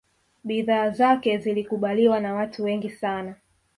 bidhaa zake zilikubaliwa na watu wengi sana